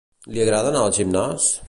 Li agrada anar al gimnàs?